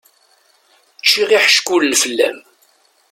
Ččiɣ iḥeckulen fell-am.